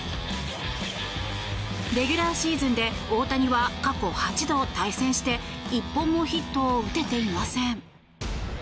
レギュラーシーズンで大谷は過去８度対戦して１本もヒットを打てていません。